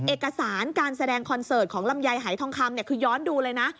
เอกสารการแสดงคอนเสิร์ตของลำไยหายทองคำคือย้อนดูเลยนะ